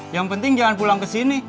yang penting jangan pulang kesini